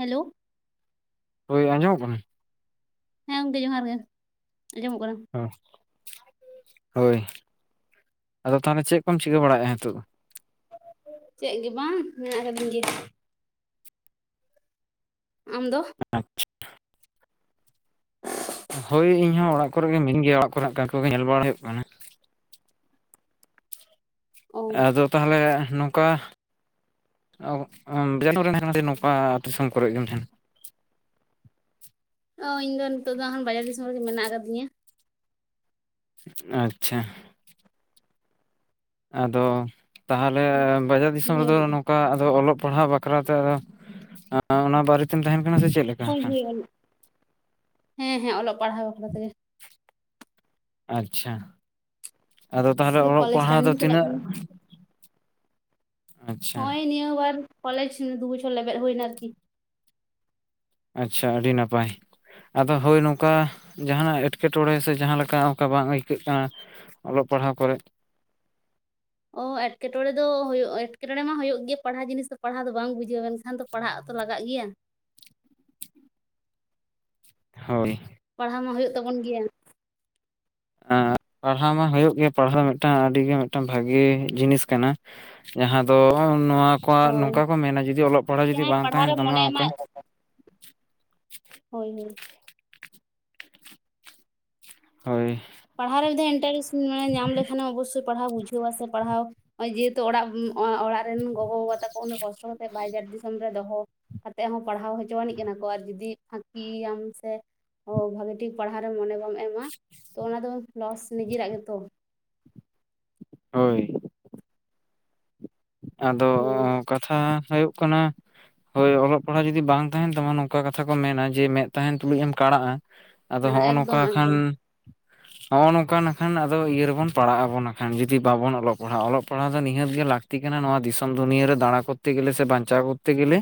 Hello ᱦᱳᱭ ᱟᱸᱡᱚᱢᱚᱜ ᱠᱟᱱᱟ? ᱦᱮᱸ ᱜᱚᱝᱠᱮ ᱡᱚᱦᱟᱨ ᱜᱮ, ᱟᱸᱡᱚᱢᱚᱜ ᱠᱟᱱᱟ᱾ ᱚ ᱦᱳᱭ, ᱟᱫᱚ ᱛᱟᱦᱚᱞᱮ ᱪᱮᱜ ᱠᱚᱢ ᱪᱤᱠᱟᱹ ᱵᱟᱲᱟᱭᱮᱜᱼᱟ ᱱᱤᱛᱚᱜ? ᱪᱮᱜ ᱜᱮ ᱵᱟᱝ ᱢᱮᱱᱟᱜ [unintelligible] ᱟᱢᱫᱚ? ᱟᱪᱪᱷᱟ᱾ ᱦᱳᱭ ᱤᱧᱦᱚᱸ ᱚᱲᱟᱜ ᱠᱚᱨᱮᱜᱮ ᱢᱤᱱᱤᱧ ᱜᱤᱭᱟ ᱚᱲᱟᱜ ᱠᱚᱨᱮᱠᱟᱜ ᱠᱟ ᱠᱚᱜᱮ ᱧᱮᱞ ᱵᱟᱲᱟ ᱦᱩᱭᱩᱜ ᱠᱟᱱᱟ᱾ ᱚ ᱟᱫᱚ ᱛᱟᱦᱚᱞᱮ ᱱᱚᱠᱟ ᱚᱨ ᱵᱟᱡᱟᱨ [unintelligible] ᱱᱚᱝᱠᱟ ᱫᱤᱥᱚᱢ ᱠᱚᱨᱮ ᱜᱮᱢ ᱛᱮᱦᱮᱸᱱᱟ? ᱚ ᱤᱧ ᱫᱚ ᱱᱤᱛᱚᱜ ᱫᱚ ᱦᱟᱱ ᱵᱟᱡᱟᱨ ᱫᱤᱥᱚᱢ ᱨᱮᱜᱮ ᱢᱮᱱᱟᱜ ᱠᱟᱫᱤᱧᱟ᱾ ᱟᱪᱪᱷᱟ᱾ ᱟᱫᱚ ᱛᱟᱦᱚᱞᱮ ᱵᱟᱡᱟᱨ ᱫᱤᱥᱚᱢ ᱱᱤᱭᱟᱹ ᱨᱮᱫᱚ ᱜᱷᱟᱹᱲᱤᱡ ᱫᱚ ᱱᱚᱝ ᱠᱟ ᱟᱫᱚ ᱚᱞᱚᱜ ᱯᱟᱲᱦᱟᱣ ᱵᱟᱠᱷᱨᱟᱛᱮ ᱟ ᱚᱱᱟ ᱵᱟᱨᱮᱛᱮᱢ ᱛᱟᱦᱮᱸᱱ ᱠᱟᱱᱟ ᱥᱮ ᱪᱮ ᱠᱚᱞ ᱦᱳᱭᱳᱜ ᱟ ᱱᱤᱜ ᱦᱮᱸ ᱦᱮᱸ ᱚᱞᱚᱜ ᱯᱟᱲᱦᱟᱣ ᱵᱟᱠᱷᱨᱟ ᱛᱮᱜᱮ ᱟᱪᱪᱷᱟ, ᱟᱫᱚ ᱛᱟᱦᱚᱞᱮ ᱱᱤᱛᱚᱜ ᱫᱚ ᱚᱞᱚᱜ ᱠᱚᱞᱮᱡᱽ ᱯᱟᱲᱦᱟᱣ ᱫᱚ ᱨᱟᱱᱤᱝ ᱪᱟᱞᱟᱜ ᱛᱤᱱᱟᱹᱜ ᱠᱟᱱᱟ ᱟᱪᱪᱷᱟ ᱦᱚᱜᱚᱭ ᱱᱤᱭᱟᱹ ᱵᱟᱨ ᱠᱚᱞᱮᱡᱽ ᱫᱩ ᱵᱚᱪᱷᱚᱨ ᱞᱮᱵᱮᱫ ᱦᱩᱭᱱᱟ ᱟᱨᱠᱤ᱾ ᱟᱪᱪᱷᱟ ᱟᱹᱰᱤ ᱱᱟᱯᱟᱭ᱾ ᱟᱫᱚ ᱦᱳᱭ ᱱᱚᱝᱠᱟ ᱡᱟᱦᱟᱸᱱᱟᱜ ᱮᱴᱠᱮᱴᱚᱬᱮ ᱥᱮ ᱡᱟᱦᱟᱸ ᱞᱮᱠᱟ ᱚᱝᱠᱟ ᱵᱟᱝ [unintelligible] ᱠᱟᱱᱟ? ᱚᱞᱚᱜ ᱯᱟᱲᱦᱟᱣ ᱠᱚᱨᱮ ᱚ ᱮᱴᱠᱮᱴᱚᱬᱮ ᱫᱚ ᱦᱳᱭᱳᱜ ᱮᱴᱠᱮᱴᱚᱬᱮ ᱢᱟ ᱦᱩᱭᱩᱜ ᱜᱮ ᱯᱟᱲᱦᱟᱣ ᱡᱤᱱᱤᱥ ᱫᱚ ᱯᱟᱲᱦᱟᱣ ᱫᱚ ᱵᱟᱝ ᱵᱩᱡᱷᱟᱹᱣ ᱢᱮᱱᱠᱷᱟᱱ ᱫᱚ ᱯᱟᱲᱦᱟᱜ ᱛᱚ ᱞᱟᱜᱟᱜ ᱜᱮᱭᱟ᱾ ᱦᱳᱭ᱾ ᱯᱟᱲᱦᱟᱣ ᱢᱟ ᱦᱳᱭᱳᱜ ᱛᱟᱵᱚᱱ ᱜᱤᱭᱟ᱾ ᱟᱸ ᱯᱟᱲᱦᱟᱣ ᱢᱟ ᱦᱳᱭᱳᱜ ᱜᱮ ᱯᱟᱲᱦᱟᱣ ᱢᱤᱜᱴᱟᱝ ᱟᱰᱤ ᱜᱮ ᱢᱤᱜᱴᱟᱝ ᱵᱷᱟᱜᱤ ᱡᱤᱱᱤᱥ ᱠᱟᱱᱟ᱾ ᱡᱟᱸᱦᱟ ᱫᱚ ᱱᱚᱣᱟ ᱠᱚᱣᱟᱜ ᱦᱳᱭ ᱱᱚᱝᱠᱟ ᱠᱚ ᱢᱮᱱᱟ ᱡᱩᱫᱤ ᱚᱞᱚᱜ ᱯᱟᱲᱦᱟ ᱡᱩᱫᱤ ᱡᱟᱦᱟᱸᱭ ᱵᱟᱝ ᱯᱟᱲᱦᱟᱣ ᱛᱟᱸᱦᱮᱱ ᱨᱮ ᱛᱟᱢᱟ ᱢᱚᱱᱮ ᱚᱝᱠᱟ᱾ ᱮᱢᱟᱭ ᱦᱳᱭ ᱦᱳᱭ᱾ ᱦᱳᱭ᱾ ᱯᱟᱲᱦᱟᱣ ᱨᱮ ᱢᱤᱫ ᱫᱷᱟᱣ ᱤᱱᱴᱟᱨᱮᱥ ᱢᱟᱱᱮ ᱧᱟᱢ ᱞᱮᱠᱷᱟᱱᱮᱢ ᱚᱵᱚᱥᱥᱳᱭ ᱯᱟᱲᱦᱟᱣ ᱵᱩᱡᱷᱟᱹᱣ-ᱟ ᱥᱮ ᱯᱟᱲᱦᱟᱣ ᱚᱸᱭ ᱡᱮᱦᱮᱛᱩ ᱚᱲᱟᱜ ᱚᱲᱟᱜ ᱨᱮᱱ ᱜᱚᱜᱚ-ᱵᱟᱵᱟ ᱛᱟᱠᱚ ᱩᱱᱟᱹᱜ ᱠᱚᱥᱴᱚ ᱠᱟᱛᱮᱜ ᱵᱟᱭᱡᱟᱨ ᱫᱤᱥᱚᱢ ᱨᱮ ᱫᱚᱦᱚ᱾ ᱠᱟᱛᱮ ᱦᱚᱸ ᱯᱟᱲᱦᱟᱣ ᱦᱚᱪᱚᱣᱟᱱᱤᱡ ᱠᱟᱱᱟ ᱠᱚ ᱟᱨ ᱡᱩᱫᱤ ᱯᱷᱟᱸᱠᱤᱭᱟᱢ ᱥᱮ ᱦᱳᱭ ᱵᱷᱟᱜᱮ ᱴᱷᱤᱠ ᱯᱟᱲᱦᱟᱣ ᱨᱮ ᱢᱚᱱᱮ ᱵᱟᱢ ᱮᱢᱟ ᱛᱚ ᱚᱱᱟ ᱫᱚ ᱞᱚᱥ ᱱᱤᱡᱮᱨᱟᱜ ᱜᱮᱛᱚ᱾ ᱦᱳᱭ᱾ ᱟᱫᱚ ᱦᱳᱭ ᱠᱟᱛᱷᱟ ᱦᱳᱭᱳᱜ ᱠᱟᱱᱟ ᱦᱳᱭ ᱚᱞᱚᱜ ᱯᱟᱲᱦᱟ ᱡᱩᱫᱤ ᱵᱟᱝ ᱛᱟᱸᱦᱮᱱ ᱛᱟᱢᱟ ᱱᱚᱝᱠᱟ ᱠᱟᱛᱷᱟ ᱠᱚ ᱢᱮᱱᱟ ᱡᱮ ᱢᱮᱫ ᱛᱟᱸᱦᱮᱱ ᱛᱩᱞᱩᱡ ᱮᱢ ᱠᱟᱸᱬᱟᱜ-ᱟ᱾ ᱟᱫᱚ ᱦᱚᱸᱜ ᱱᱚᱝᱠᱟ ᱮᱠᱫᱚᱢ ᱠᱷᱟᱱ ᱮᱠᱫᱚᱢ ᱦᱚᱸᱜ ᱱᱚᱝᱠᱟ ᱱᱟᱜ ᱠᱷᱟᱱ ᱟᱫᱚ ᱤᱭᱟᱹ ᱨᱮᱵᱚᱱ ᱯᱟᱲᱟᱜ ᱟᱵᱚᱱ ᱟᱠᱷᱟᱱ ᱡᱩᱫᱤ ᱵᱟᱵᱚᱱ ᱚᱞᱚᱜ ᱯᱟᱲᱦᱟᱜ ᱚᱞᱚᱜ ᱯᱟᱲᱦᱟ ᱫᱚ ᱱᱤᱦᱟᱹᱛ ᱜᱮ ᱞᱟᱠ ᱛᱤ ᱠᱟᱱᱟ ᱱᱚᱣᱟ ᱫᱤᱥᱚᱢ ᱫᱩᱱᱤᱭᱟᱹ ᱨᱮ ᱫᱟᱸᱬᱟ ᱠᱚᱨᱛᱮ ᱜᱮᱞᱮ ᱥᱮ ᱵᱟᱧᱪᱟᱣ ᱠᱚᱨᱛᱮ ᱜᱮᱞᱮ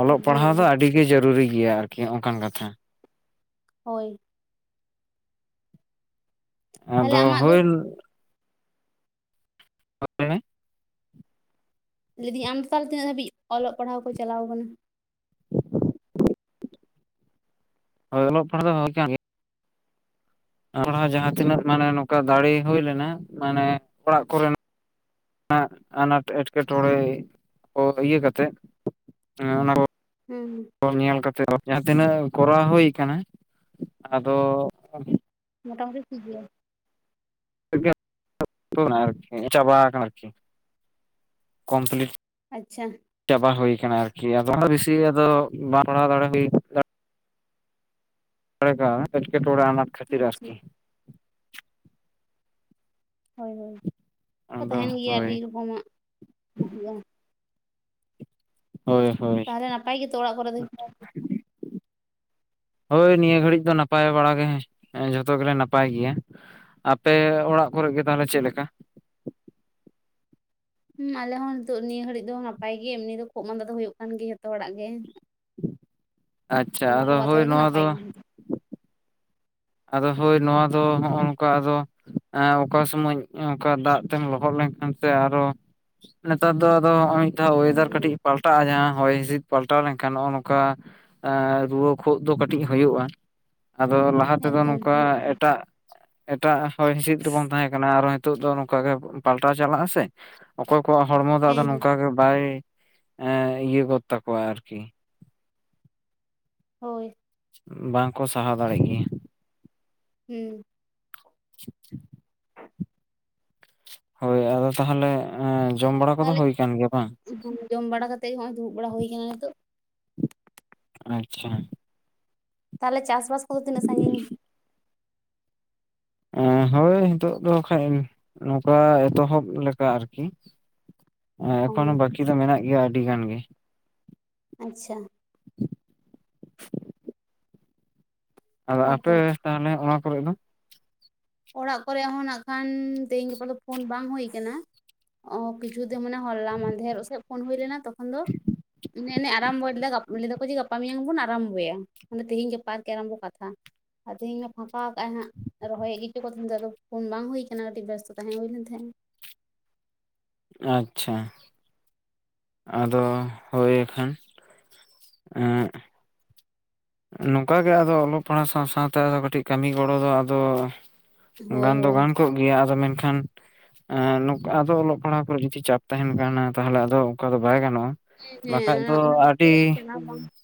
ᱚᱞᱚᱜ ᱮᱠᱫᱚᱢ ᱯᱟᱲᱦᱟᱣ ᱫᱚ ᱮᱠᱫᱚᱢ ᱟᱰᱤ ᱜᱮ ᱡᱟᱹᱨᱩᱲᱤ ᱜᱮᱭᱟ ᱟᱨᱠᱤ ᱚᱸᱜ-ᱠᱟᱱ ᱠᱟᱛᱷᱟ᱾ ᱦᱳᱭ᱾ ᱛᱟᱦᱚᱞᱮ ᱟᱫᱚ ᱟᱢᱟᱜ ᱫᱚ ᱦᱳᱭᱞ [unintelligible] ᱞᱟᱹᱭ ᱫᱤᱧ ᱟᱢ ᱛᱟᱞᱦᱮ ᱛᱤᱱᱟᱹᱜ ᱫᱷᱟᱹᱵᱤᱡ ᱚᱞᱚᱜ ᱯᱟᱲᱦᱟᱣ ᱠᱚ ᱪᱟᱞᱟᱣ ᱠᱟᱱᱟ? [inaudible] ᱦᱳᱭ ᱚᱞᱚᱜ ᱯᱟᱲᱦᱟᱣ᱾ [unintelligible] [unintelligible] ᱡᱟᱸᱦᱟ ᱛᱤᱱᱟᱹᱜ ᱢᱟᱱᱮ ᱱᱚᱠᱟ ᱫᱟᱲᱮ ᱦᱩᱭ ᱞᱮᱱᱟ ᱢᱟᱱᱮ ᱚᱲᱟᱜ ᱠᱚᱨᱮᱱ ᱟᱜ ᱟᱱᱟᱴ ᱮᱸᱴᱠᱮᱴᱚᱸᱬᱮ ᱠᱚ ᱤᱭᱟᱹ ᱠᱟᱛᱮᱜ ᱩᱸ ᱚᱱᱟ ᱠᱚ ᱦᱩᱸ ᱦᱩᱸ᱾ ᱠᱚ ᱧᱮᱞ ᱠᱟᱛᱮᱜ ᱡᱟᱸᱦᱟ ᱛᱤᱱᱟᱹᱜ ᱠᱚᱨᱟᱣ ᱦᱳᱭ ᱠᱟᱱᱟ, ᱟᱫᱚ ᱢᱳᱴᱟᱢᱩᱴᱤ ᱴᱷᱤᱠ ᱜᱤᱭᱟ᱾ [unintelligible] ᱪᱟᱵᱟ ᱠᱟᱱᱟ ᱟᱨᱠᱤ ᱠᱚᱢᱯᱤᱞᱤᱴ᱾ ᱟᱪᱪᱷᱟ᱾ ᱪᱟᱵᱟ ᱦᱳᱭ ᱠᱟᱱᱟ ᱟᱨᱠᱤ ᱟᱫᱚ ᱵᱮᱥᱤ ᱟᱫᱚ ᱵᱟᱝ ᱯᱟᱲᱦᱟᱣ ᱫᱟᱲᱮ ᱦᱩᱭ ᱠ ᱚᱠᱟ ᱞᱮᱠᱟ ᱮᱸᱴᱠᱮᱴᱚᱸᱬᱮ ᱟᱱᱟᱴ ᱠᱷᱟᱛᱤᱨ ᱟᱪᱪᱷᱟ ᱟᱨᱠᱤ᱾ ᱦᱳᱭ ᱦᱳᱭ ᱟᱫᱚ ᱛᱟᱦᱮᱱ ᱜᱮᱭᱟ ᱦᱳᱭ ᱟᱰᱤ ᱨᱚᱠᱚᱢᱟᱜ ᱦᱤᱡᱩᱜ-ᱟ᱾ ᱦᱳᱭ᱾ ᱦᱳᱭ ᱛᱟᱦᱞᱮ ᱱᱟᱯᱟᱭ ᱜᱮᱛᱚ ᱚᱲᱟᱜ ᱠᱚᱨᱮ ᱫᱚ ᱡᱷᱚᱛᱚ? ᱦᱳᱭ ᱱᱤᱭᱟᱹ ᱜᱷᱟᱹᱲᱤᱡ ᱫᱚ ᱱᱟᱯᱟᱭ ᱵᱟᱲᱟᱜᱮ ᱡᱷᱚᱛᱚ ᱜᱮᱞᱮ ᱱᱟᱯᱟᱭ ᱜᱮᱭᱟ᱾ ᱟᱯᱮ ᱚᱲᱟᱜ ᱠᱚᱨᱮᱜ ᱜᱮ ᱛᱟᱦᱞᱮ ᱪᱮᱜ ᱞᱮᱠᱟ? ᱦᱩᱸ ᱟᱞᱮ ᱦᱚᱸ ᱱᱤᱛ ᱱᱤᱭᱟᱹ ᱜᱷᱟᱹᱲᱤᱡ ᱫᱚ ᱱᱟᱯᱟᱭ ᱜᱮ ᱮᱢᱱᱤ ᱫᱚ ᱠᱷᱳᱜ ᱢᱟᱸᱫᱟ ᱫᱚ ᱦᱳᱭᱳᱜ ᱠᱟᱱ ᱜᱮ ᱡᱷᱚᱛᱚ ᱦᱚᱲᱟᱜ ᱜᱮ᱾ ᱟᱪᱪᱷᱟ ᱚᱱᱟ ᱠᱚ ᱟᱫᱚ ᱵᱟᱫ ᱦᱳᱭ ᱠᱟᱛᱮ ᱱᱚᱣᱟ ᱱᱟᱯᱟᱭ ᱫᱚ᱾ ᱜᱮ ᱟᱫᱚ ᱦᱳᱭ ᱱᱚᱣᱟ ᱫᱚ ᱦᱚᱸᱜ-ᱚ ᱱᱚᱝᱠᱟ ᱟᱫᱚ᱾ ᱮᱸ ᱚᱠᱟ ᱥᱚᱢᱚᱧ ᱚᱱᱠᱟ ᱫᱟᱜ ᱛᱮᱢ ᱞᱚᱦᱚᱜ ᱞᱮᱱᱠᱷᱟᱱ ᱥᱮ ᱟᱨᱚ ᱱᱮᱛᱟᱨ ᱫᱚ ᱟᱫᱚ ᱦᱚᱸᱜ ᱚᱭ ᱢᱤᱫ ᱫᱷᱟ ᱚᱭᱮᱫᱟᱨ ᱠᱟᱴᱤ ᱯᱟᱞᱴᱟᱜ-ᱟ ᱡᱟᱸᱦᱟ ᱦᱚᱭ ᱦᱤᱸᱥᱤᱫ ᱯᱟᱞᱴᱟᱣ ᱞᱮᱱᱠᱷᱟᱱ ᱱᱚᱜ-ᱚ ᱱᱚᱝᱠᱟ᱾ ᱨᱩᱣᱟᱹ ᱠᱷᱳᱜ ᱫᱚ ᱠᱟᱴᱤᱡ ᱦᱳᱭᱳᱜ-ᱟ ᱟᱫᱚ ᱞᱟᱦᱟ ᱛᱮᱫᱚ ᱮᱠᱫᱚᱢ ᱱᱚᱝᱠᱟ ᱦᱮᱸ ᱮᱴᱟ ᱮᱴᱟᱜ ᱦᱚᱭ ᱦᱤᱸᱥᱤᱫ ᱨᱮᱵᱚᱱ ᱛᱟᱦᱮᱸᱠᱟᱱᱟ ᱾ ᱟᱨᱚ ᱦᱤᱛᱳᱜ ᱫᱚ ᱱᱚᱝᱠᱟ ᱜᱮ ᱯᱟᱞᱴᱟᱣ ᱪᱟᱞᱟᱜᱼᱟ ᱥᱮ? ᱚᱠᱚᱭ ᱠᱚᱣᱟᱜ ᱦᱚᱲᱢᱚ ᱫᱚ ᱟᱫᱚ ᱦᱮᱸ ᱱᱚᱝᱠᱟ ᱜᱮ ᱵᱟᱭ ᱮᱸ ᱤᱭᱟᱹ ᱜᱚᱫ ᱛᱟᱠᱚᱣᱟ ᱟᱨᱠᱤ ᱾ ᱦᱳᱭ ᱾ ᱵᱟᱝᱠᱚ ᱥᱟᱦᱟᱣ ᱫᱟᱲᱮᱜ ᱜᱮᱭᱟ ᱾ ᱦᱩᱸ [unintelligible] ᱦᱳᱭ ᱟᱫᱚ ᱛᱟᱦᱚᱞᱮ ᱮᱸ ᱡᱚᱢ ᱵᱟᱲᱟ ᱠᱚᱫᱚ ᱛᱟᱦᱚᱞᱮ ᱦᱳᱭ ᱠᱟᱱ ᱜᱮᱭᱟ ᱵᱟᱝ? ᱡᱚᱢ ᱵᱟᱲᱟ ᱠᱟᱛᱮᱜ ᱦᱚᱸᱜ ᱚᱭ ᱫᱩᱲᱩᱵ ᱵᱟᱲᱟ ᱦᱩᱭ ᱠᱟᱱᱟ ᱱᱤᱛᱚᱜ ᱟᱪᱪᱷᱟ। ᱛᱟᱦᱚᱞᱮ ᱪᱟᱥᱵᱟᱥ ᱠᱚᱫᱚ ᱛᱤᱱᱟᱹᱜ ᱥᱟᱺᱜᱤᱧ? ᱮᱸ ᱦᱳᱭ ᱦᱤᱛᱚᱜ ᱫᱚ ᱠᱷᱟᱡ ᱱᱚᱝᱠᱟ ᱮᱛᱚᱦᱚᱵ ᱞᱮᱠᱟ ᱟᱨᱠᱤ ᱚ ᱮᱠᱷᱚᱱᱳ ᱵᱟᱹᱠᱤ ᱫᱚ ᱢᱮᱱᱟᱜ ᱜᱮᱭᱟ ᱟᱹᱰᱤ ᱜᱟᱱ ᱜᱮ ᱟᱪᱪᱷᱟ। ᱟᱫᱚ ᱟᱯᱮ ᱦᱮᱸᱛᱚ ᱛᱟᱦᱚᱞᱮ ᱚᱱᱟ ᱠᱚᱨᱮ ᱫᱚ? ᱚᱲᱟᱜ ᱠᱚᱨᱮ ᱦᱚᱸ ᱱᱟᱜᱠᱷᱟᱱ ᱛᱮᱦᱮᱧ ᱜᱟᱯᱟ ᱫᱚ ᱯᱷᱳᱱ ᱵᱟᱝ ᱦᱳᱭ ᱠᱟᱱᱟ। ᱚ ᱠᱤᱪᱷᱩ ᱫᱤᱱ ᱢᱟᱱᱮ ᱦᱚᱞᱟ ᱢᱟᱫᱷᱮᱨ ᱥᱮᱫ ᱯᱷᱳᱱ ᱦᱳᱭ ᱞᱮᱱᱟ ᱛᱚᱠᱷᱚᱱ ᱫᱚ ᱢᱟᱱᱮ ᱟᱨᱚᱢᱵᱚ ᱞᱮᱫᱟ ᱞᱮᱫᱟ ᱠᱚ ᱡᱮ ᱜᱟᱯᱟ ᱢᱮᱭᱟᱝ ᱵᱚᱱ ᱟᱨᱚᱢᱵᱚᱭᱟ ᱢᱟᱱᱮ ᱛᱮᱦᱤᱧ ᱜᱟᱯᱟ ᱜᱮ ᱟᱨᱚᱢᱵᱚ ᱠᱟᱛᱷᱟ। ᱟᱨ ᱛᱮᱦᱮᱧ ᱯᱷᱟᱸᱠᱟ ᱠᱟᱜ ᱟᱭ ᱦᱟᱸᱜ ᱨᱚᱦᱚᱭ ᱜᱮ [unintelligible] ᱪᱮᱫ [unintelligible] ᱟᱫᱚ ᱯᱷᱳᱱ ᱵᱟᱝ ᱦᱳᱭ ᱠᱟᱱᱟ ᱠᱟᱹᱴᱤᱡ ᱵᱮᱥᱛᱚ ᱛᱟᱦᱮᱸ ᱦᱳᱭ ᱞᱮᱱ ᱛᱟᱦᱮᱸᱫ ᱟᱪᱪᱷᱟ। ᱟᱫᱚ ᱦᱳᱭ ᱠᱷᱟᱱ ᱮᱸ ᱱᱚᱝᱠᱟᱜᱮ ᱟᱫᱚ ᱚᱞᱚᱜ ᱯᱟᱲᱦᱟᱜ ᱥᱟᱶ ᱥᱟᱶᱛᱮ ᱠᱟᱹᱴᱤᱡ ᱠᱟᱹᱢᱤ ᱜᱚᱲᱚ ᱫᱚ ᱟᱫᱚ ᱦᱳᱭ ᱜᱟᱱ ᱫᱚ ᱦᱳᱭ ᱜᱟᱱ ᱠᱚᱜ ᱜᱮᱭᱟ ᱟᱫᱚ ᱢᱮᱱᱠᱷᱟᱱ [unintelligible] ᱟᱫᱚ ᱚᱞᱚᱜ ᱯᱟᱲᱦᱟᱣ ᱠᱚᱨᱮ ᱡᱩᱫᱤ ᱪᱟᱯ ᱛᱟᱦᱮᱱ ᱠᱦᱟᱱ ᱛᱟᱦᱚᱞᱮ ᱟᱫᱚ ᱚᱱᱠᱟ ᱫᱚ ᱵᱟᱭ ᱜᱟᱱᱚᱜᱼᱟ। ᱦᱮᱸ ᱵᱟᱠᱷᱟᱡ ᱚᱱᱟ ᱫᱚ ᱚᱱᱟ ᱟᱹᱰᱤ [inaudible]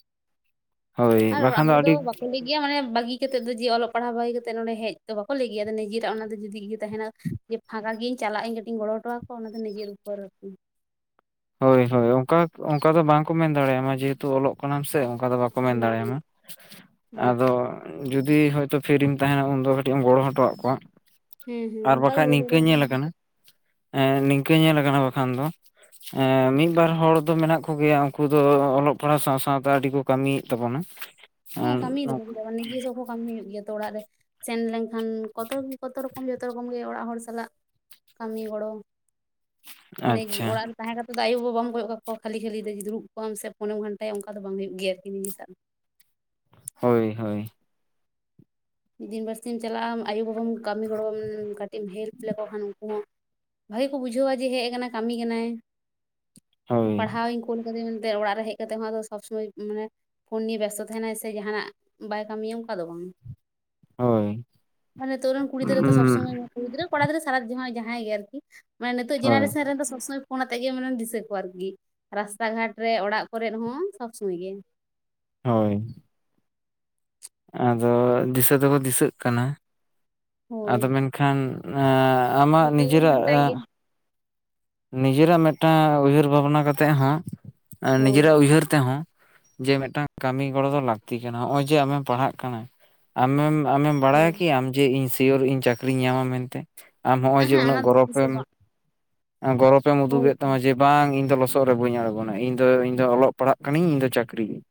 ᱦᱳᱭ ᱟᱨ ᱵᱟᱠᱷᱟᱱ ᱚᱲᱟᱜ ᱦᱚᱲ ᱫᱚ ᱟᱹᱰᱤ ᱵᱟᱠᱚ ᱞᱟᱹᱭ [unintelligible] ᱢᱟᱱᱮ ᱵᱟᱹᱜᱤ ᱠᱟᱛᱮᱫ ᱫᱚ ᱡᱮ ᱚᱞᱚᱜ ᱯᱟᱲᱦᱟᱣ ᱵᱟᱹᱜᱤ ᱠᱟᱛᱮᱫ ᱱᱸᱰᱮ ᱦᱮᱡ ᱫᱚ ᱵᱟᱠᱚ ᱞᱟᱹᱭ ᱜᱮᱭᱟ ᱟᱫᱚ ᱱᱤᱡᱮᱨᱟᱜ ᱚᱱᱟ ᱫᱚ ᱡᱩᱫᱤ ᱤᱭᱟ. ᱛᱟᱦᱮᱱᱟ ᱡᱮ ᱯᱷᱟᱸᱠᱟ ᱜᱮᱭᱮᱧ ᱪᱟᱞᱟᱜ ᱤᱧ ᱠᱟᱹᱴᱤᱡ ᱤᱧ ᱜᱚᱲᱚ ᱦᱚᱴᱚ ᱠᱚᱣᱟ ᱚᱱᱟ ᱫᱚ ᱱᱤᱡᱮᱨ ᱩᱯᱚᱨ [unintelligible] ᱦᱳᱭ ᱦᱳᱭ ᱚᱱᱠᱟ ᱚᱱᱠᱟ ᱫᱚ ᱵᱟᱝᱠᱚ ᱢᱮᱱ ᱫᱟᱲᱮᱭᱟᱢᱟ ᱡᱮᱦᱮᱛᱩ ᱚᱞᱚᱜ ᱠᱟᱱᱟᱢ ᱥᱮ ᱚᱱᱠᱟ ᱫᱚ ᱵᱟᱝ ᱠᱚ ᱢᱮᱱ ᱫᱟᱲᱮᱭᱟᱢᱟ, ᱵᱟᱝ ᱟᱫᱚ ᱡᱩᱫᱤ ᱦᱳᱭᱛᱳ ᱯᱷᱤᱨᱤᱢ ᱛᱟᱦᱮᱱᱟ ᱩᱱᱫᱚ ᱠᱟᱹᱴᱤᱡ ᱮᱢ ᱜᱚᱲᱚ ᱦᱚᱴᱚᱣᱟᱜ ᱠᱚᱣᱟ ᱦᱮᱸ ᱦᱮᱸ ᱟᱨ ᱚᱱᱠᱟ ᱫᱚ ᱵᱟᱠᱷᱟᱡ ᱦᱩᱭ ᱱᱤᱝᱠᱟᱹ ᱵᱟᱲᱟᱣ ᱧᱮᱞᱠᱟᱱᱟ, ᱱᱤᱝᱠᱟᱹ ᱧᱮᱞᱠᱟᱱᱟ ᱵᱟᱠᱷᱟᱱ ᱫᱚ ᱮᱸ ᱢᱤᱫᱵᱟᱨ ᱦᱚᱲ ᱫᱚ ᱢᱮᱱᱟᱜ ᱠᱚᱜᱮᱭᱟ ᱩᱱᱠᱩ ᱫᱚ ᱚᱞᱚᱜ ᱯᱟᱲᱦᱟᱜ ᱥᱟᱶ ᱥᱟᱶᱛᱮ ᱟᱹᱰᱤ ᱠᱚ ᱠᱟᱹᱢᱤᱭᱮᱫ ᱛᱟᱵᱚᱱᱟ ᱦᱮᱸ ᱟᱨ ᱠᱟᱹᱢᱤᱭ ᱫᱟᱠᱚ ᱪᱮᱫᱟᱜ ᱵᱟᱝ ᱱᱤᱡᱮᱥᱚᱵ ᱠᱚ ᱠᱟᱹᱢᱤ ᱦᱩᱭᱩᱜ ᱜᱮᱭᱟ ᱛᱚ ᱚᱲᱟᱜ ᱨᱮ ᱥᱮᱱ ᱞᱮᱱᱠᱷᱟᱱ ᱠᱚᱛᱚ ᱠᱤ ᱠᱚᱛᱚ ᱨᱚᱠᱚᱢ ᱡᱷᱚᱛᱚ ᱨᱚᱠᱚᱢ ᱜᱮ ᱚᱲᱟᱜ ᱦᱚᱲ ᱥᱟᱞᱟᱜ ᱠᱟᱹᱢᱤ ᱜᱚᱲᱚ, ᱱᱤᱡ ᱟᱪᱪᱷᱟ ᱚᱲᱟᱜ ᱨᱮ ᱛᱟᱦᱮᱸ ᱠᱟᱛᱮᱫᱚ ᱟᱭᱳ ᱵᱟᱵᱟᱢ ᱠᱚᱭᱚᱜ ᱠᱟᱠᱚᱣᱟ ᱠᱷᱟᱹᱞᱤ ᱠᱷᱟᱹᱞᱤ ᱡᱮ ᱫᱩᱲᱩᱵ ᱠᱚᱜ ᱟᱢᱥᱮ ᱯᱷᱳᱱᱮᱢ ᱜᱷᱟᱱᱴᱟᱭᱟ ᱚᱱᱠᱟ ᱫᱚ ᱵᱟᱝ ᱦᱩᱭᱩᱜ ᱜᱮᱭᱟ ᱟᱨ ᱠᱤ ᱱᱤᱡᱤᱥᱟᱜ ᱫᱚ ᱦᱳᱭ ᱦᱳᱭ ᱢᱤᱫ ᱫᱤᱱ ᱵᱟᱹᱨᱥᱤᱧᱼᱮᱢ ᱪᱟᱞᱟᱜᱼᱟᱢ ᱟᱭᱳ ᱵᱟᱵᱟᱢ ᱠᱟᱹᱢᱤ ᱜᱚᱲᱚᱢ ᱠᱟᱹᱴᱤᱡ ᱮᱢ ᱦᱮᱞᱯ ᱞᱮᱠᱚ ᱠᱷᱟᱱ ᱩᱱᱠᱩ ᱦᱚᱸ ᱵᱷᱟᱜᱮ ᱠᱚ ᱵᱩᱡᱷᱟᱹᱣᱼᱟ ᱡᱮ ᱦᱮᱡ ᱠᱟᱱᱟᱭ ᱠᱟᱹᱢᱤ ᱠᱟᱱᱟᱭ ᱦᱳᱭ ᱯᱟᱲᱦᱟᱣᱤᱧ ᱠᱳᱞ ᱠᱟᱹᱫᱮᱭᱟ ᱢᱮᱱᱛᱮ ᱚᱲᱟᱜ ᱨᱮ ᱦᱮᱡ ᱠᱟᱛᱮᱜ ᱦᱚᱸ ᱟᱫᱚ ᱥᱚᱵ ᱥᱚᱢᱚᱭ ᱢᱟᱱᱮ ᱯᱷᱳᱱ ᱱᱤᱭᱮ ᱵᱮᱥᱛᱚ ᱛᱟᱦᱮᱱᱟᱭ ᱥᱮ ᱡᱟᱦᱟᱸᱱᱟᱜ ᱵᱟᱭ ᱠᱟᱹᱢᱤᱭᱟ ᱚᱱᱠᱟ ᱫᱚ ᱵᱟᱝ ᱦᱳᱭ ᱢᱟᱱᱮ ᱱᱤᱛᱚᱨᱮᱱ ᱠᱩᱲᱤ ᱜᱤᱫᱽᱨᱟᱹ ᱛᱚ ᱥᱚᱵ ᱩᱸ ᱥᱚᱢᱚᱭ ᱠᱩᱲᱤ ᱜᱽᱨᱟᱹ ᱠᱚᱲᱟ ᱜᱤᱫᱽᱨᱟᱹ ᱥᱟᱨᱟ [unintelligible] ᱡᱚᱦᱟᱭ ᱡᱟᱦᱟᱸᱭ ᱜᱮ ᱟᱨᱠᱤ ᱢᱟᱱᱮ ᱤᱛᱚᱜ ᱦᱳᱭ ᱡᱮᱱᱟᱨᱮᱥᱟᱱ ᱨᱮᱱᱫᱚ, ᱥᱚᱵ ᱥᱚᱢᱚᱭ ᱯᱷᱳᱱᱱᱟ ᱟᱛᱮᱜᱮ ᱢᱚᱱᱮ ᱫᱤᱥᱟᱹ ᱠᱚᱣᱟ ᱟᱨᱠᱤ, ᱨᱟᱥᱛᱟ ᱜᱷᱟᱴ ᱨᱮ ᱚᱲᱟᱜ ᱠᱚᱨᱮ ᱦᱚᱸ ᱥᱚᱵᱽ ᱥᱚᱢᱚᱭ ᱜᱮ᱾ ᱦᱳᱭ, ᱟᱫᱚ ᱫᱤᱥᱟᱹ ᱫᱚᱠᱚ ᱫᱤᱥᱟᱹᱜ ᱠᱟᱱᱟ, ᱦᱳᱭ ᱟᱫᱚ ᱢᱮᱱᱠᱷᱟᱱ ᱟᱼᱟᱢᱟᱜ ᱡᱚᱛᱚ ᱜᱮᱵᱚᱱ ᱜᱷᱟᱱᱴᱟᱭ ᱱᱤᱡᱮᱨᱟᱜᱼᱟ ᱜᱮᱭᱟ ᱱᱤᱡᱮᱨᱟᱜ ᱢᱤᱫᱴᱟᱝ ᱩᱭᱦᱟᱹᱨ ᱵᱷᱟᱵᱽᱱᱟ ᱠᱟᱛᱮᱫ ᱦᱚᱸ, ᱦᱳᱭ ᱱᱤᱡᱮᱨᱟᱜ ᱩᱭᱦᱟᱹᱨ ᱛᱮᱦᱚᱸ ᱡᱮ ᱢᱤᱫᱴᱟᱝ ᱠᱟᱹᱢᱤ ᱜᱚᱲᱚ ᱫᱚ ᱞᱟᱹᱠᱛᱤ ᱠᱟᱱᱟ, ᱦᱚᱜᱼᱚᱭ ᱡᱮ ᱟᱢᱮᱢ ᱯᱟᱲᱦᱟᱜ ᱠᱟᱱᱟ ᱟᱢᱮᱢ ᱟᱢᱮᱢ ᱵᱟᱰᱟᱭᱟ ᱦᱳᱭ ᱠᱤ ᱟᱢ ᱡᱮ ᱤᱧ ᱥᱤᱭᱳᱨ ᱤᱧ ᱪᱟᱹᱠᱨᱤᱧ ᱧᱟᱢᱟ ᱢᱮᱱᱛᱮ? ᱟᱢ ᱦᱚᱸᱜᱼᱚᱭ ᱡᱮ ᱟᱦᱟᱸ ᱩᱱᱟᱹᱜ ᱚᱱᱟ ᱫᱚ ᱛᱤᱥ ᱦᱚᱸ ᱜᱚᱨᱚᱵᱮᱢ ᱵᱟᱝ ᱜᱚᱨᱚᱵᱮᱢ ᱦᱳᱭ ᱩᱫᱩᱜᱮᱫ ᱛᱟᱢᱟ, ᱡᱮ ᱵᱟᱝ ᱤᱧ ᱫᱚ ᱞᱚᱥᱚᱫ ᱨᱮ ᱵᱟᱹᱧ ᱟᱬᱜᱚᱱᱟ, ᱤᱧ ᱫᱚ ᱤᱧ ᱫᱚ ᱚᱞᱚᱜ ᱯᱟᱲᱦᱟᱜ ᱠᱟᱱᱟᱹᱧ ᱤᱧ ᱫᱚ ᱪᱟᱹᱠᱨᱤ ᱾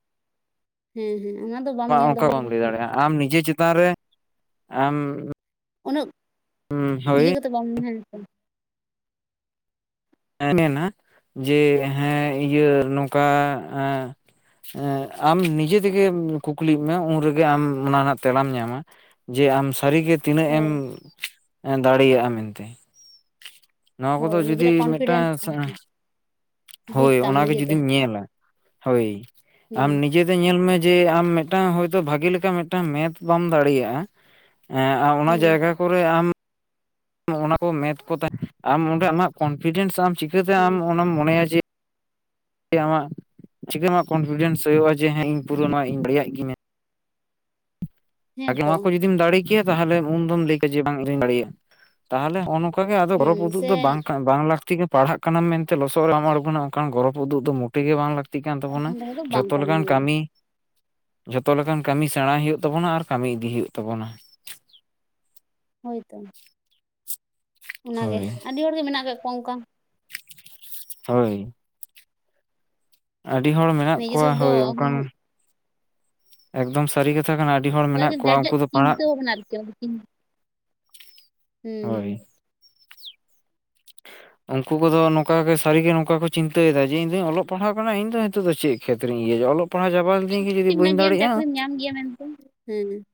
ᱦᱩᱸ ᱦᱩᱸ ᱚᱱᱟ ᱫᱚ, ᱵᱟᱢ ᱧᱮᱞ ᱚᱱᱠᱟ ᱫᱚᱦᱚ ᱵᱟᱢ ᱠᱟᱫᱟ ᱞᱟᱹᱭ ᱥᱮ᱾ ᱫᱟᱲᱮᱭᱟᱜᱼᱟ ᱟᱢ ᱱᱤᱡᱮ ᱪᱮᱛᱟᱱ ᱨᱮ, ᱟᱢ ᱩᱱᱟᱹᱜ ᱤᱭᱟᱹ ᱦᱳᱭ ᱠᱟᱛᱮ ᱵᱟᱝ ᱛᱟᱦᱮᱱ ᱛᱟᱢ ᱦᱮ ᱢᱮᱱᱟ, ᱡᱮ ᱦᱮᱸ ᱤᱭᱟᱹ ᱱᱚᱝᱠᱟ ᱮᱜ ᱮᱸᱜ ᱟᱢ ᱱᱤᱡᱮ ᱛᱮᱜᱮ ᱠᱩᱠᱞᱤᱜ ᱢᱮ, ᱩᱱᱨᱮᱜᱮ ᱟᱢ ᱚᱱᱟ ᱨᱮᱱᱟᱜ ᱛᱮᱞᱟᱢ ᱧᱟᱢᱟ᱾ ᱡᱮ ᱟᱢ ᱥᱟᱹᱨᱤᱜᱮ ᱛᱤᱱᱟᱹᱜ ᱮᱢ ᱦᱳᱭ ᱫᱟᱲᱮᱭᱟᱜᱼᱟ, ᱢᱮᱱᱛᱮ ᱱᱚᱣᱟ ᱠᱚᱫᱚ ᱦᱳᱭ ᱡᱩᱫᱤ ᱢᱤᱫ [unintelligible] [unintelligible] ᱵᱩᱡᱽ ᱦᱳᱭ ᱛᱟᱢ ᱚᱱᱟᱜᱮ ᱱᱤᱡᱮᱛᱮ ᱡᱩᱫᱤᱢ ᱧᱮᱞᱟ, ᱦᱳᱭ ᱦᱩᱸ ᱟᱢ ᱱᱤᱡ ᱡᱮᱛᱮ ᱧᱮᱞ ᱢᱮ ᱡᱮ ᱟᱢ ᱢᱤᱫᱴᱟᱝ ᱦᱳᱭᱛᱳ ᱵᱷᱟᱜᱮ ᱞᱮᱠᱟ, ᱢᱤᱫᱴᱟᱝ ᱢᱮᱛᱷ ᱵᱟᱢ ᱫᱟᱲᱮᱭᱟᱜᱼᱟ᱾ ᱮᱸᱜ ᱟᱢ ᱚᱱᱟ ᱦᱩᱸ ᱡᱟᱭᱜᱟ ᱠᱚᱨᱮ ᱟᱢ ᱚᱱᱟ ᱠᱚ ᱢᱮᱛᱷ ᱠᱚ ᱛᱟᱦᱮᱸ ᱟᱢ ᱚᱸᱰᱮ ᱟᱢᱟᱜ, ᱠᱚᱱᱯᱷᱤᱰᱮᱱᱥ ᱟᱢ ᱪᱤᱠᱟᱹᱛᱮ ᱦᱩᱸ ᱟᱢ ᱚᱱᱟᱢ ᱢᱚᱱᱮᱭᱟ ᱡᱮ ᱡᱮ ᱟᱢᱟᱜ ᱪᱤᱠᱟᱹ ᱟᱢᱟᱜ ᱠᱚᱱᱯᱷᱤᱰᱮᱱᱥ ᱦᱩᱭᱩᱜᱼᱟ, ᱡᱮ ᱦᱮᱸ ᱤᱧ ᱯᱩᱨᱟᱹ ᱱᱚᱣᱟ ᱤᱧ ᱫᱟᱲᱮᱭᱟᱜ ᱜᱤᱭᱟᱹᱧ ᱢᱮᱱᱛᱮ᱾ ᱟᱜᱮ ᱱᱚᱣᱟ ᱦᱮᱸᱛᱚ ᱠᱚ ᱡᱩᱫᱤᱢ ᱫᱟᱲᱮ ᱠᱮᱭᱟ, ᱛᱟᱦᱚᱞᱮ ᱩᱱ ᱫᱚᱢ ᱞᱟᱹᱭ ᱠᱮᱭᱟ ᱡᱮ, ᱵᱟᱝ ᱤᱧᱫᱩᱧ ᱫᱟᱲᱮᱭᱟᱜᱼᱟ, ᱛᱟᱦᱚᱞᱮ ᱦᱚᱜᱼᱱᱚ ᱚᱱᱠᱟ‌ ᱜᱮ ᱟᱫᱚ ᱦᱩᱸ ᱜᱚᱨᱚᱵᱽ ᱩᱫᱩᱜ ᱥᱮ ᱫᱚ, ᱵᱟᱝ ᱵᱟᱝ ᱞᱟᱹᱠᱛᱤ ᱜᱮ ᱯᱟᱲᱦᱟᱜ ᱠᱟᱱᱟᱢ ᱢᱮᱱᱛᱮ ᱞᱚᱥᱚᱫ ᱨᱮ ᱵᱟᱢ ᱟᱬᱜᱚᱱᱟ, ᱚᱱᱠᱟᱱ ᱜᱚᱨᱚᱵ ᱩᱫᱩᱜ ᱫᱚ ᱢᱚᱴ ᱞᱟᱹᱠᱛᱤ ᱜᱮ ᱵᱟᱝ ᱞᱟᱹᱠᱛᱤᱜ ᱠᱟᱱ ᱛᱟᱵᱚᱱᱟ, ᱫᱚᱦᱚ ᱫᱚ ᱵᱟᱝ ᱡᱷᱚᱛᱚ ᱞᱮᱠᱟᱱ ᱠᱟᱱᱟ ᱠᱟᱹᱢᱤ ᱡᱷᱚᱛᱚ ᱞᱮᱠᱟᱱ ᱠᱟᱹᱢᱤ ᱥᱮᱬᱟ ᱦᱳᱭᱳᱜ ᱛᱟᱵᱚᱱᱟ, ᱟᱨ ᱠᱟᱹᱢᱤ ᱤᱫᱤ ᱦᱳᱭᱳᱜ ᱛᱟᱵᱚᱱᱟ᱾ ᱦᱚᱭᱛᱚ᱾ ᱚᱱᱟᱜᱮ ᱦᱳᱭ ᱟᱹᱰᱤ ᱦᱚᱲᱜᱮ ᱢᱮᱱᱟᱜ ᱠᱟᱜ ᱠᱚᱣᱟ ᱚᱱᱠᱟ᱾ ᱦᱳᱭ᱾ ᱟᱹᱰᱤ ᱦᱚᱲ ᱢᱮᱱᱟᱜ ᱱᱤᱡᱮ ᱠᱚᱣᱟ ᱥᱚᱵ ᱫᱚ ᱦᱳᱭ ᱚᱱᱠᱟᱱ᱾ ᱮᱠᱫᱚᱢ ᱥᱟᱹᱨᱤ ᱠᱟᱛᱷᱟ ᱠᱟᱱᱟ, ᱟᱹᱰᱤ ᱦᱚᱲ ᱢᱮᱱᱟᱜ ᱠᱚᱣᱟ ᱡᱟᱨ ᱡᱟᱨ ᱩᱱᱠᱩ ᱫᱚ ᱪᱤᱱᱛᱟᱹ ᱯᱟᱲᱦᱟᱜ, [unintelligible] [unintelligible] ᱦᱩᱸ, ᱦᱳᱭ ᱦᱩᱸ᱾ [unintelligible] [inaudible] ᱩᱱᱠᱩ ᱠᱚᱫᱚ ᱱᱚᱝᱠᱟ ᱜᱮ ᱥᱟᱹᱨᱤ ᱜᱮ, ᱱᱚᱝᱠᱟ ᱠᱚ ᱪᱤᱱᱛᱟᱹᱭᱮᱫᱟ ᱡᱮ, ᱤᱧᱫᱚᱧ ᱚᱞᱚᱜ ᱯᱟᱲᱦᱟᱣ ᱠᱟᱱᱟ, ᱤᱧ ᱱᱤᱛ ᱫᱚ ᱪᱮᱫ ᱠᱷᱮᱛᱨᱤᱧ ᱤᱭᱟᱹᱭᱟ, ᱚᱞᱚᱜ ᱯᱟᱲᱦᱟ ᱪᱟᱵᱟ ᱞᱤᱛᱤᱧ ᱜᱮ, ᱡᱩᱫᱤ ᱵᱟᱹᱧ ᱢᱮᱱᱟᱜ ᱜᱮᱭᱟ ᱫᱟᱲᱮᱜᱼᱟ᱾ ᱪᱟᱹᱠᱨᱤᱢ ᱧᱟᱢ ᱜᱮᱭᱟ ᱢᱮᱱᱛᱮ, ᱦᱮᱸ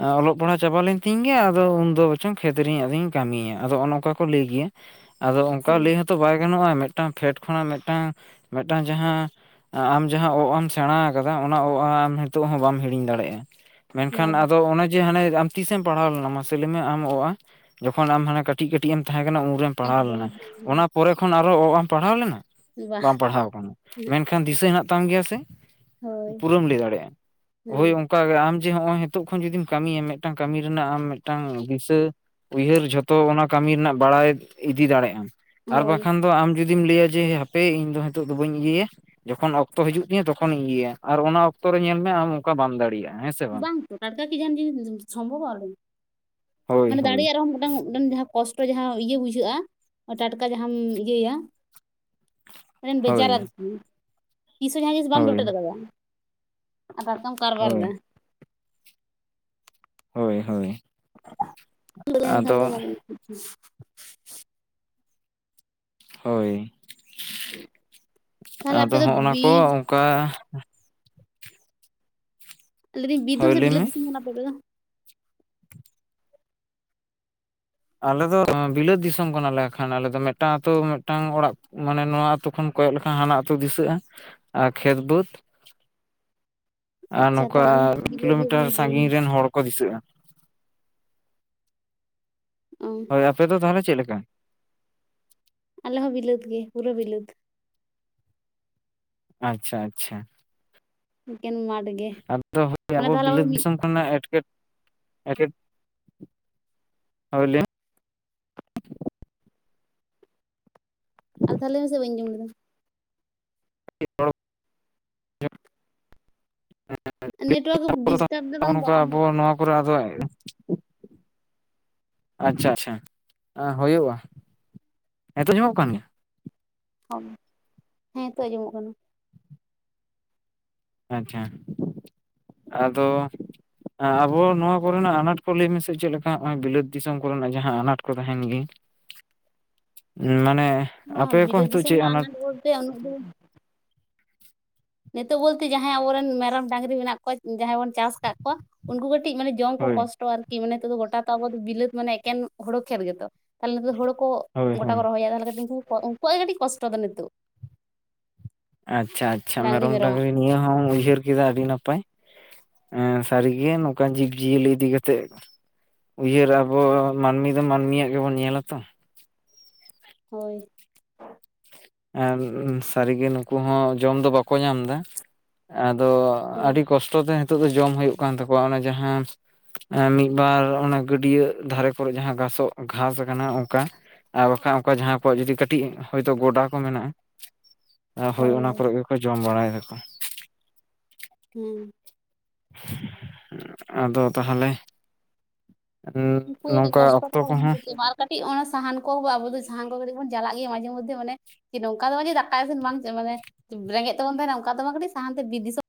ᱟ ᱚᱞᱚᱜ ᱯᱟᱲᱦᱟᱣ ᱪᱟᱵᱟ ᱞᱮᱱᱛᱤᱧ ᱜᱮ, ᱟᱫᱚ ᱩᱱᱫᱚ ᱵᱚᱨᱪᱚᱝ ᱠᱷᱮᱛᱨᱮ ᱟᱫᱚᱧ ᱠᱟᱹᱢᱤᱭᱟ, ᱟᱫᱚ ᱚᱱ ᱚᱱᱠᱟ ᱠᱚ ᱞᱟᱹᱭ ᱜᱮᱭᱟ᱾ ᱟᱫᱚ ᱚᱱᱠᱟ ᱞᱟᱹᱭ ᱦᱚᱸᱛᱚ ᱵᱟᱭ ᱜᱟᱱᱚᱜᱼᱟ, ᱢᱤᱫᱴᱟᱝ ᱯᱷᱮᱰ ᱠᱷᱚᱱᱟᱜ ᱢᱤᱫᱴᱟᱝ, ᱢᱤᱫᱴᱟᱝ ᱡᱟᱦᱟᱸ ᱟᱢ ᱡᱟᱦᱟᱸ ᱚ-ᱟᱢ ᱥᱮᱬᱟ ᱠᱟᱫᱟ, ᱚᱱᱟ ᱚ ᱟᱢ ᱱᱤᱛᱚᱜ ᱦᱚᱸ ᱵᱟᱢ ᱦᱤᱲᱤᱧ ᱫᱟᱲᱮᱭᱟᱜᱼᱟ᱾ ᱵᱟ ᱢᱮᱱᱠᱷᱟᱱ ᱵᱟ ᱟᱫᱚ ᱚᱱᱮ ᱡᱮ ᱦᱟᱱᱮ ᱟᱢ ᱛᱤᱥᱮᱢ ᱯᱟᱲᱦᱟᱣ ᱞᱮᱱᱟ, ᱢᱟᱥᱮ ᱞᱟᱹᱭ ᱢᱮ ᱟᱢ ᱚᱼᱟ? ᱡᱚᱠᱷᱚᱱ ᱟᱢ ᱦᱟᱱᱮ ᱠᱟᱹᱴᱤᱡ ᱠᱟᱹᱴᱤᱡ ᱮᱢ ᱛᱟᱦᱮᱸ ᱠᱟᱱᱟ, ᱩᱱᱨᱮᱢ ᱯᱟᱲᱦᱟᱣ ᱮᱠᱫᱚᱢ ᱞᱮᱱᱟ, ᱚᱱᱟ ᱯᱚᱨᱮ ᱠᱷᱚᱱ ᱟᱨᱚ ᱚ ᱟᱢ ᱯᱟᱲᱦᱟᱣ ᱞᱮᱱᱟ, ᱵᱟ ᱵᱟᱢ ᱯᱟᱲᱦᱟᱣ ᱠᱟᱱᱟ ᱢᱮᱱᱠᱷᱟᱱ ᱫᱤᱥᱟᱹ ᱦᱮᱱᱟᱜ ᱛᱟᱢ ᱜᱮᱭᱟ ᱥᱮ᱾ ᱦᱳᱭ ᱯᱩᱨᱟᱹᱢ ᱞᱟᱹᱭ ᱫᱟᱲᱮᱜᱼᱟ, ᱦᱮᱸ ᱦᱳᱭ ᱚᱱᱠᱟ ᱜᱮ ᱟᱢ ᱡᱮ ᱦᱚᱸᱜᱼᱚᱭ ᱛᱳᱜ ᱠᱷᱚᱱ ᱡᱩᱫᱤᱢ ᱠᱟᱹᱢᱤᱭᱟ ᱢᱮᱜᱴᱟᱝ ᱠᱟᱹᱢᱤ ᱨᱮᱱᱟᱜ ᱟᱢ ᱢᱮᱜᱴᱟᱝ ᱫᱤᱥᱟᱹ ᱩᱭᱦᱟᱹᱨ ᱡᱷᱚᱛᱚ ᱚᱱᱟ ᱠᱟᱹᱢᱤ ᱨᱮᱱᱟᱜ ᱵᱟᱲᱟᱭ ᱤᱫᱤ ᱫᱟᱲᱮᱜ ᱟᱢ ᱟᱨ ᱦᱳᱭ ᱵᱟᱠᱷᱟᱱ ᱫᱚ ᱟᱢ ᱡᱩᱫᱤᱢ ᱞᱟᱹᱭᱟ ᱡᱮ ᱦᱟᱯᱮ ᱤᱧ ᱫᱚ ᱦᱤᱛᱳᱜ ᱫᱚ ᱵᱟᱹᱧ ᱤᱭᱟᱹᱭᱟ ᱡᱚᱠᱷᱚᱱ ᱚᱠᱛᱚ ᱦᱤᱡᱩᱜ ᱛᱤᱧᱟᱹ ᱛᱚᱠᱷᱚᱱ ᱤᱧ ᱤᱭᱟᱹᱭᱟ ᱟᱨ ᱚᱱᱟ ᱚᱠᱛᱚ ᱨᱮ ᱧᱮᱞ ᱢᱮ ᱟᱢ ᱚᱱᱠᱟ ᱵᱟᱢ ᱫᱟᱲᱮᱭᱟᱜ-ᱟ ᱦᱮᱸ ᱥᱮ ᱵᱟᱝ? ᱚᱴᱟᱠ ᱠᱤ ᱡᱟᱦᱟᱱ ᱡᱤᱥ ᱥᱚᱢᱵᱷᱚᱵ-ᱟ ᱟᱨ ᱦᱳᱭ ᱢᱟᱱᱮ ᱦᱳᱭ ᱫᱟᱲᱮᱭᱟᱜ ᱨᱮᱦᱚᱸ ᱢᱮᱜᱴᱟᱝ ᱢᱮᱴᱟᱝ ᱡᱟᱦᱟᱸ ᱠᱚᱥᱴᱚ ᱡᱟᱦᱟᱸ ᱤᱭᱟᱹ ᱵᱩᱡᱷᱟᱹᱜ-ᱟ ᱴᱟᱴᱠᱟ ᱡᱟᱦᱟᱸᱢ ᱤᱭᱟᱹ ᱭᱟ, ᱢᱮᱴᱮᱱ ᱵᱮᱡᱟᱨ ᱦᱳᱭ ᱟᱨ ᱠᱤ ᱛᱤᱥ ᱦᱚᱸ ᱡᱟᱦᱟᱸ ᱡᱤᱱᱤᱥ ᱵᱟᱢ ᱦᱳᱭ ᱡᱚᱴᱮᱫ ᱠᱟᱫᱟ ᱟᱵᱟᱨ ᱠᱟᱨ ᱦᱳᱭ ᱵᱟᱨᱫᱟ᱾ ᱦᱳᱭ ᱦᱳᱭ᱾ ᱛᱟᱦᱮᱱ ᱠᱷᱟᱱ ᱫᱚ ᱟᱫᱚ [unintelligible] ᱦᱳᱭ ᱛᱟᱦᱚᱞᱮ ᱟᱯᱮ ᱟᱫᱚ ᱫᱚ ᱦᱚᱸᱜ ᱱᱟ ᱠᱚ ᱵᱤᱨ ᱚᱝᱠᱟ ᱞᱤᱫᱤᱧ ᱵᱤᱫᱟᱹᱢ ᱦᱳᱭ ᱥᱮ ᱞᱟᱹᱭ ᱵᱤᱞᱟᱹᱛ ᱢᱮ ᱫᱤᱥᱟᱢ ᱠᱟᱱᱟ ᱯᱮ ᱟᱯᱮ ᱫᱚ? ᱟᱞᱮᱚ ᱵᱤᱞᱟᱹᱛ ᱫᱤᱥᱚᱢ ᱠᱟᱱᱟᱞᱮ ᱟᱠᱷᱟᱱ ᱟᱞᱮ ᱫᱚ ᱢᱮᱜᱴᱟᱝᱟᱹᱛᱩ ᱢᱮᱜᱴᱟᱝ ᱚᱲᱟᱜ ᱢᱟᱱᱮ ᱱᱚᱣᱟ ᱟᱹᱛᱩ ᱠᱷᱚᱱ ᱠᱚᱭᱚᱜ ᱞᱮᱠᱷᱟᱱ ᱦᱟᱱᱟ ᱟᱹᱛᱩ ᱫᱤᱥᱟᱹᱜ-ᱟ ᱟᱨ ᱠᱷᱮᱛ ᱵᱟᱹᱫᱽ ᱟᱨ ᱟᱪᱪᱷᱟ ᱱᱚᱠᱟ ᱛᱟᱦᱚᱞᱮ ᱤᱧ ᱵᱤᱞᱟᱹᱛ ᱜᱮ ᱠᱟᱱ ᱠᱤᱞᱳᱢᱤᱴᱟᱨ ᱜᱤᱭᱟᱹᱧ ᱥᱟᱺᱜᱤᱧ ᱨᱮᱱ ᱦᱚᱲ ᱠᱚ ᱫᱤᱥᱟᱹᱜ-ᱟ᱾ ᱚᱸ ᱟᱯᱮᱚ ᱫᱚ ᱛᱟᱦᱞᱮ ᱪᱮᱫ ᱞᱮᱠᱟ? ᱟᱞᱮ ᱦᱚᱸ ᱵᱤᱞᱟᱹᱛ ᱜᱮ ᱯᱩᱨᱟᱹ ᱵᱤᱞᱟᱹᱛ᱾ ᱟᱪᱪᱷᱟ ᱟᱪᱪᱷᱟ᱾ ᱮᱠᱮᱱ ᱢᱟᱴ ᱜᱮ᱾ ᱟᱫᱚ ᱢᱟᱱᱮ ᱟᱵᱚ ᱛᱟᱦᱚᱞᱮ ᱟᱵᱟᱨ ᱵᱤᱞᱟᱹᱫ ᱢᱤᱫ ᱫᱤᱥᱳᱢ ᱮᱴᱠᱮᱴ ᱦᱩᱭᱞᱤ [unintelligible] ᱟᱨ ᱫᱷᱟᱣ ᱞᱟᱹᱭ ᱢᱮᱥᱮ ᱵᱟᱹᱧ ᱧᱡᱚᱢ ᱞᱮᱫᱟ [inaudible] ᱱᱮᱴᱣᱟᱨᱠ ᱡᱤᱴᱟᱵᱽ ᱫᱟ ᱵᱟᱝ ᱫᱚ ᱟᱢᱟᱜ ᱚᱨ ᱟᱫᱚᱭ ᱟᱪᱪᱷᱟ ᱟᱪᱪᱷᱟ ᱦᱳᱭᱳᱜ-ᱟ ᱦᱮᱛᱚ ᱧᱟᱢᱚᱜ ᱠᱟᱱ ᱜᱮᱭᱟ? ᱚ ᱦᱮᱸ ᱛᱳ ᱟᱸᱡᱚᱢᱚᱜ ᱠᱟᱱᱟ᱾ ᱟᱪᱪᱷᱟ ᱟᱫᱚ ᱟᱸ ᱟᱵᱚ ᱱᱚᱣᱟ ᱠᱚᱨᱮᱱᱟᱜ ᱟᱱᱟᱴ ᱠᱚ ᱞᱟᱹᱭ ᱢᱮᱥᱮ ᱪᱮᱫ ᱞᱮᱠᱟ ᱦᱚᱜ-ᱚᱭ ᱵᱤᱞᱟᱹᱛ ᱫᱤᱥᱚᱢ ᱠᱚᱨᱮᱱᱟᱜ ᱡᱟᱦᱟᱸ ᱟᱱᱟᱴ ᱠᱚ ᱛᱟᱦᱮᱱ ᱜᱮ ᱢᱟᱱᱮ ᱦᱚ ᱟᱯᱮ ᱠᱚ ᱵᱤᱞᱟᱹᱛ ᱱᱤᱛᱚᱜ ᱫᱤᱥᱚᱢ ᱪᱮᱫ ᱨᱮᱱᱟᱜ ᱟᱱᱟᱴ ᱵᱚᱞᱛᱮ ᱩᱱᱟᱹᱜ ᱫᱚ ᱱᱤᱛᱳᱜ ᱵᱳᱞᱛᱮ ᱡᱟᱦᱟᱸᱭ ᱟᱵᱚᱨᱮᱱ ᱢᱮᱨᱚᱢ ᱰᱟᱝᱨᱤ ᱢᱮᱱᱟᱜ ᱠᱚᱣᱟ ᱡᱟᱦᱟᱸᱭ ᱵᱚᱱ ᱪᱟᱥ ᱟᱠᱟᱫ ᱠᱚᱣᱟ ᱩᱱᱠᱩ ᱠᱟᱹᱴᱤᱡ ᱢᱟᱱᱮ ᱡᱚᱢ ᱠᱚ ᱦᱳᱭ ᱠᱚᱥᱴᱚ ᱟᱨᱠᱤ ᱢᱮ ᱱᱤᱛ ᱫᱚ ᱜᱚᱴᱟ ᱛᱚ ᱟᱵᱚ ᱫᱚ ᱵᱤᱞᱟᱹᱛ ᱢᱟᱱᱮ ᱮᱠᱮᱱ ᱦᱳᱲᱳ ᱠᱷᱮᱛ ᱜᱮᱛᱚ ᱛᱟᱦᱞᱮ ᱱᱳᱠᱳ ᱦᱳᱲᱳ ᱠᱚ ᱦᱳᱭ ᱜᱚᱴᱟ ᱠᱚ ᱦᱳᱭ ᱨᱚᱦᱚᱭᱟ ᱛᱟᱦᱞᱮ ᱠᱟᱹᱴᱤᱱ ᱩᱱ ᱩᱱᱠᱩᱣᱟᱜ ᱜᱮ ᱠᱟᱹᱴᱤᱡ ᱠᱚᱥᱴᱚ ᱫᱚ ᱱᱤᱛᱳᱜ᱾ ᱟᱪᱪᱷᱟ ᱟᱪᱪᱷᱟ ᱢᱮᱨᱚᱢ ᱰᱟᱝᱨᱤ ᱱᱤᱭᱟᱹ ᱦᱚᱸᱢ ᱩᱭᱦᱟᱹᱨ ᱠᱮᱫᱟ ᱟᱹᱰᱤ ᱱᱟᱯᱟᱭ, ᱮᱸ ᱥᱟᱹᱨᱤᱜᱮ ᱱᱚᱠᱟᱱ ᱡᱤᱵᱽᱡᱤᱭᱟᱹᱞᱤ ᱤᱫᱤ ᱠᱟᱛᱮᱜ ᱩᱭᱦᱟᱹᱨ ᱟᱵᱚ ᱢᱟᱹᱱᱢᱤ ᱫᱚ ᱢᱟᱹᱱᱢᱤᱭᱟᱜ ᱜᱮᱵᱚᱱ ᱧᱮᱞᱟ ᱛᱚ, ᱦᱳᱭ ᱟᱨ ᱥᱟᱹᱨᱤᱜᱮ ᱱᱩᱠᱩ ᱦᱚᱸ ᱡᱚᱢ ᱫᱚ ᱵᱟᱠᱚ ᱧᱟᱢ ᱫᱟ ᱟᱫᱚ ᱦᱮᱸ ᱟᱹᱰᱤ ᱠᱚᱥᱴᱚ ᱛᱮ ᱦᱤᱛᱳᱜ ᱫᱚ ᱡᱚᱢ ᱦᱩᱭᱩᱜ ᱠᱟᱱ ᱛᱟᱠᱚᱣᱟ ᱚᱱᱟ ᱡᱟᱦᱟᱸ ᱮᱸ ᱢᱤᱜᱵᱟᱨ ᱚᱱᱟ ᱜᱟᱹᱰᱭᱟᱹ ᱫᱷᱟᱨᱮ ᱠᱚᱨᱮᱜ ᱡᱟᱦᱟᱸ ᱜᱷᱟᱥᱚᱜ ᱜᱷᱟᱥ ᱠᱟᱱᱟ ᱚᱝᱠᱟ ᱟᱨ ᱵᱟᱠᱷᱟᱡ ᱚᱝᱠᱟ ᱡᱟᱦᱟᱸ ᱠᱚᱣᱟᱜ ᱡᱩᱫᱤ ᱠᱟᱹᱴᱤᱡ ᱦᱳᱭᱛᱳ ᱜᱚᱰᱟ ᱠᱚ ᱢᱮᱱᱟᱜ-ᱟ ᱟ ᱦᱳᱭ ᱚᱱᱟ ᱠᱚᱨᱮ ᱜᱮᱠᱚ ᱡᱚᱢ ᱵᱟᱲᱟᱭᱟᱠᱚ᱾ ᱦᱩᱸᱻ ᱟᱫᱚ ᱛᱟᱦᱚᱞᱮ ᱩᱸᱜ ᱩᱱᱠᱩ ᱠᱟᱹᱴᱤᱡ ᱱᱚᱝᱠᱟ ᱠᱚᱥᱴᱚ ᱚᱠᱛᱚ ᱛᱟᱠᱚ ᱵᱟᱝ ᱠᱚᱦᱚᱸ ᱪᱮᱫ ᱵᱟᱝ ᱟᱨ ᱠᱟᱹᱴᱤᱡ ᱚᱱᱟ ᱥᱟᱦᱟᱱ ᱠᱚ ᱟᱹᱜᱩ ᱟᱵᱚ ᱫᱚ ᱥᱟᱦᱟᱱ ᱠᱚ ᱠᱟᱹᱴᱤᱡ ᱵᱚᱱ ᱪᱟᱞᱟᱜ ᱜᱮᱭᱟ ᱢᱟᱡᱷᱮ ᱢᱚᱫᱽᱫᱮ ᱢᱟᱱᱮ ᱡᱮ ᱱᱚᱝᱠᱟ ᱫᱚ ᱵᱟᱝ ᱡᱮ ᱫᱟᱠᱟᱭ ᱤᱥᱤᱱ ᱵᱟᱝ ᱛᱮ ᱢᱟᱱᱮ ᱨᱮᱸᱜᱮᱡ ᱛᱮᱵᱚᱱ ᱛᱟᱦᱮᱱᱟ ᱚᱱᱠᱟ ᱫᱚ ᱵᱟᱝ ᱠᱟᱹᱴᱤᱡ ᱥᱟᱦᱟᱱᱛᱮ ᱵᱤᱨ ᱫᱤᱥᱚᱢ